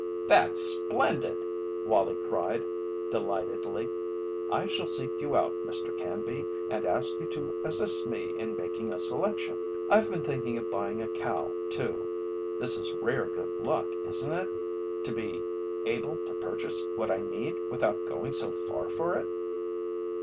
"That's splendid!" Wallie cried, delightedly. "I shall seek you out, Mr. Canby, and ask you to assist me in making a selection. I've been thinking of buying a cow, too this is rare good luck, isn't it, to be able to purchase what I need without going so far for it!"